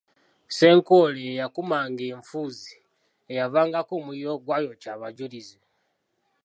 Ssenkoole yeyakuumanga enfuuzi eyavangako omuliro ogwayokya Abajulizi.